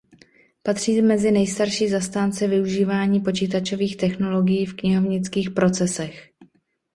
Patří mezi nejstarší zastánce využívání počítačových technologií v knihovnických procesech.